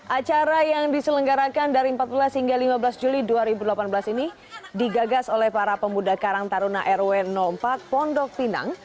acara yang diselenggarakan dari empat belas hingga lima belas juli dua ribu delapan belas ini digagas oleh para pemuda karang taruna rw empat pondok pinang